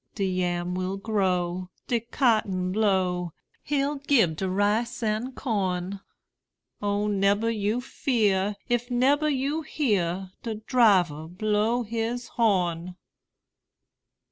De yam will grow, de cotton blow, He'll gib de rice an' corn: O nebber you fear, if nebber you hear De driver blow his horn!